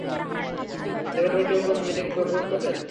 এভাবে কেউ কোন মেয়েকে প্রোপোজ করে?